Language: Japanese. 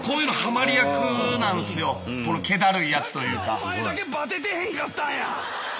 だからお前だけバテてへんかったんや。